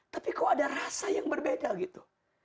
tapi kok ada rasa yang berbeda gitu